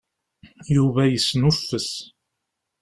Yuba yesnuffes.